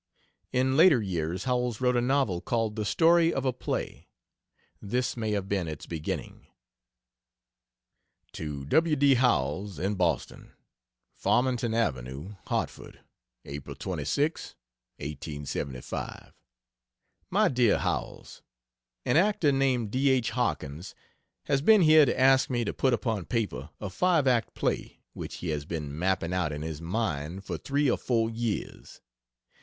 In later years Howells wrote a novel called The Story of a Play; this may have been its beginning. To W. D. Howells, in Boston: FARMINGTON AVENUE, HARTFORD, Apl. 26, 1875. MY DEAR HOWELLS, An actor named D. H. Harkins has been here to ask me to put upon paper a 5 act play which he has been mapping out in his mind for 3 or 4 years.